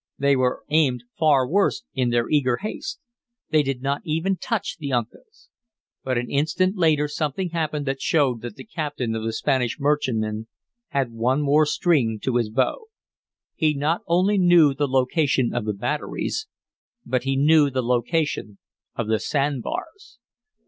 They were aimed far worse in their eager haste. They did not even touch the Uncas. But an instant later something happened that showed that the captain of the Spanish merchantman had one more string to his bow. He not only knew the location of the batteries, but he knew the location of the sand bars.